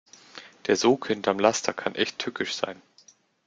Der Sog hinterm Laster kann echt tückisch sein.